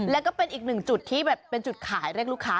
แล้วก็เป็นอีกหนึ่งจุดที่แบบเป็นจุดขายเรียกลูกค้า